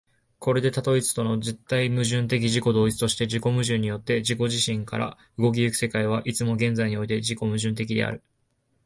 それで多と一との絶対矛盾的自己同一として、自己矛盾によって自己自身から動き行く世界は、いつも現在において自己矛盾的である。